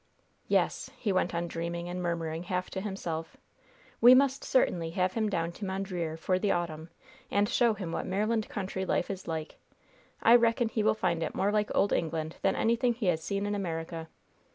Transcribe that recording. "Yes," he went dreaming on and murmuring half to himself, "we must certainly have him down to Mondreer for the autumn, and show him what Maryland country life is like! I reckon he will find it more like old England than anything he has seen in America.